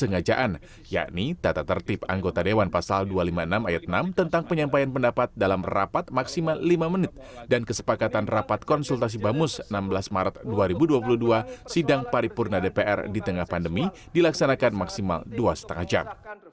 kesengajaan yakni tata tertib anggota dewan pasal dua ratus lima puluh enam ayat enam tentang penyampaian pendapat dalam rapat maksimal lima menit dan kesepakatan rapat konsultasi bamus enam belas maret dua ribu dua puluh dua sidang paripurna dpr di tengah pandemi dilaksanakan maksimal dua lima jam